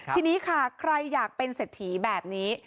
ทีนี้ค่ะใครอยากเป็นเศรษฐีแบบนี้